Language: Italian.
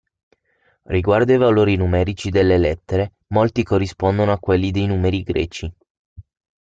Riguardo ai valori numerici delle lettere, molti corrispondono a quelli dei numerali greci.